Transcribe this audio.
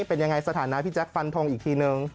เป็นยังไงสถานะพี่แจ๊คฟันทงอีกทีนึง